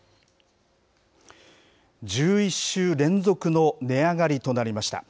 １１週連続の値上がりとなりました。